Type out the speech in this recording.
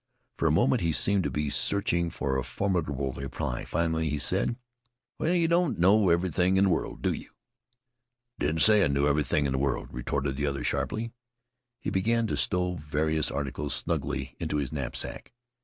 For a moment he seemed to be searching for a formidable reply. Finally he said: "Well, you don't know everything in the world, do you?" "Didn't say I knew everything in the world," retorted the other sharply. He began to stow various articles snugly into his knapsack.